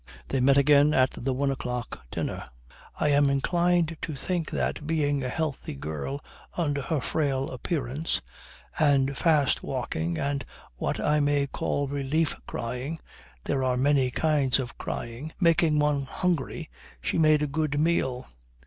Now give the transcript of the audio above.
They met again at the one o'clock dinner. I am inclined to think that, being a healthy girl under her frail appearance, and fast walking and what I may call relief crying (there are many kinds of crying) making one hungry, she made a good meal.